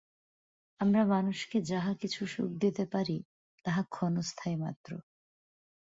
আমরা মানুষকে যাহা কিছু সুখ দিতে পারি, তাহা ক্ষণস্থায়ী মাত্র।